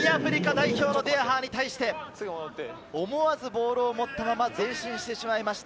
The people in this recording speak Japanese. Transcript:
デヤハーに対して、思わずボールを持ったまま前進してしまいました。